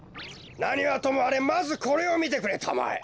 なにはともあれまずこれをみてくれたまえ。